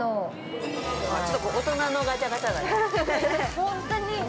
ちょっと大人のガチャガチャだね。